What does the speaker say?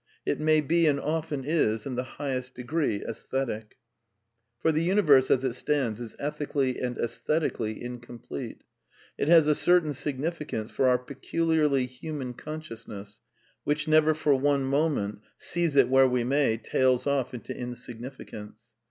It may be, and often is, in the highest degree aesthetic. For Ihe universe as it stands is ethically and aesthetically incomplete. It has a certain significance for our pe culiarly human consciousness, which never for one mo ment, seize it where we may, tails off into insignificance.